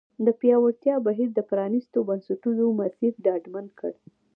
د پیاوړتیا بهیر د پرانیستو بنسټونو مسیر ډاډمن کړ.